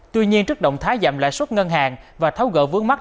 tuy nhiên trước động thái giảm lại suất ngân hàng và tháo gỡ vướng mắt